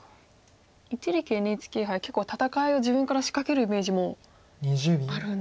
一力ＮＨＫ杯は結構戦いを自分から仕掛けるイメージもあるんですが。